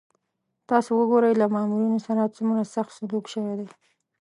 تاسو وګورئ له مامورینو سره څومره سخت سلوک شوی دی.